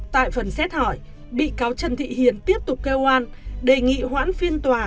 tại phần xét hỏi bị cáo trần thị hiền tiếp tục kêu an đề nghị hoãn phiên tòa